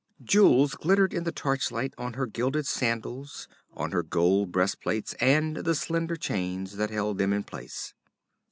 Jewels glittered in the torchlight on her gilded sandals, on her gold breast plates and the slender chains that held them in place.